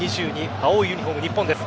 青いユニホーム、日本です。